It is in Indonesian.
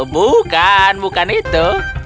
bukan bukan itu